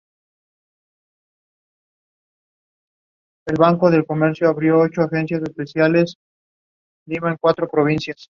Digital Pictures fue un estudio dedicado a la animación digital y efectos especiales.